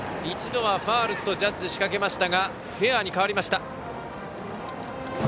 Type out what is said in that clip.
一度はファウルとジャッジしかけましたがフェアに変わりました。